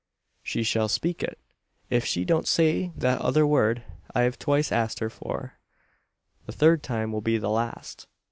"She shall speak it, if she don't say that other word, I've twice asked her for. The third time will be the last.